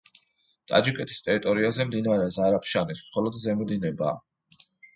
ტაჯიკეთის ტერიტორიაზე მდინარე ზარაფშანის მხოლოდ ზემო დინებაა.